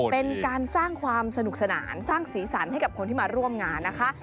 เป็นการสร้างความสนุกสนานสร้างสีสันให้กับคนที่มาร่วมงานนะคะ